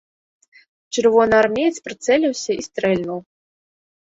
Чырвонаармеец прыцэліўся і стрэльнуў.